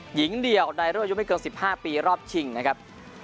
หญิงเดียวในรุ่นอายุไม่เกิน๑๕ปีรอบชิงนะครับ